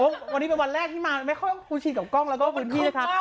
วันนี้เป็นวันแรกที่มาไม่ค่อยครูฉีดกับกล้องแล้วก็พื้นที่นะครับ